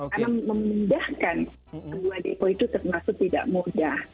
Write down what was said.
karena memindahkan kedua depo itu termasuk tidak mudah